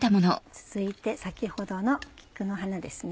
続いて先ほどの菊の花ですね。